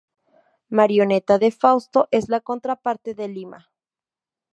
Marioneta de Fausto, es la contraparte de Lima.